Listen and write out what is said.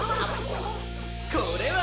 これは！